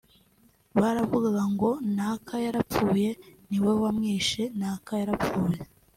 Baravugaga ngo naka yarapfuye ni wowe wamwishe naka yarapfuye[